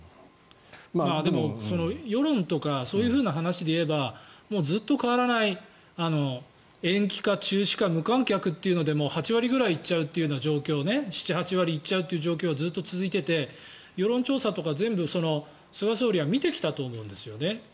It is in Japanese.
でも、世論とかそういう話で言えばずっと変わらない延期か中止か無観客というので７８割ぐらいいっちゃうという状況はずっと続いていて世論調査とか全部、菅総理は見てきたと思うんですよね。